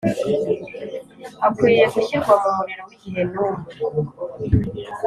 akwiriye gushyirwa mu muriro w’i Gehinomu